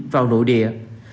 vào nội địa